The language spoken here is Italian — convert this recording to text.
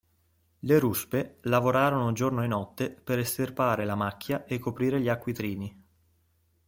Le ruspe lavorarono giorno e notte per estirpare la macchia e coprire gli acquitrini.